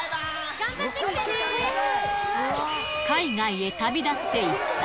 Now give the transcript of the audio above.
頑張ってきてねー。